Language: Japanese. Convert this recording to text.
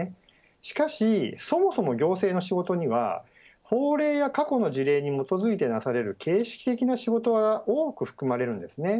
しかしそもそも行政の仕事には法令や過去の事例に基づいてなされる形式的な仕事が多く含まれるんです。